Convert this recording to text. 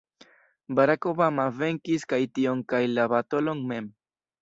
Barack Obama venkis kaj tion kaj la baloton mem.